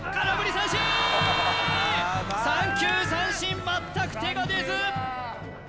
三球三振全く手が出ず！